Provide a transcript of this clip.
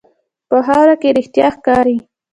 په خاوره کې رښتیا ښکاري.